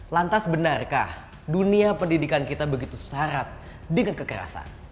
lantas benarkah dunia pendidikan kita begitu syarat dengan kekerasan